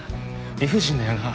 理不尽だよな？